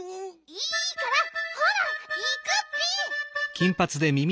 いいからほらいくッピ！